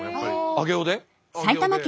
上尾で。